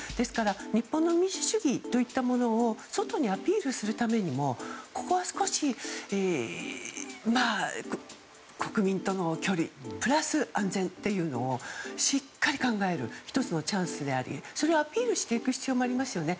日本の民主主義といったものを外にアピールするためにもここは少し、国民との距離プラス安全というのをしっかり考える１つのチャンスでありそれをアピールしていく必要もありますよね。